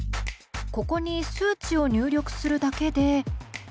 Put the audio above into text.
ここに数値を入力するだけで。